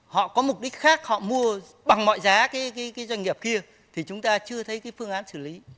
họ có mục đích khác họ mua bằng mọi giá cái doanh nghiệp kia thì chúng ta chưa thấy cái phương án xử lý